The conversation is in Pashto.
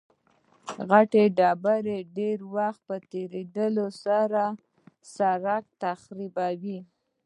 غټې ډبرې د وخت په تېرېدو سره سرک تخریبوي